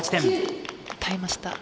耐えました。